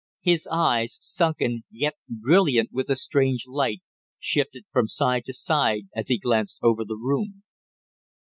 His eyes, sunken, yet brilliant with a strange light, shifted from side to side as he glanced over the room.